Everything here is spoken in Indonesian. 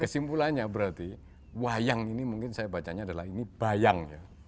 jadi saya bacaannya berarti wayang ini mungkin saya bacanya adalah ini bayang ya